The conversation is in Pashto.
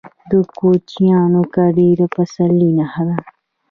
د کوچیانو کډې د پسرلي نښه ده.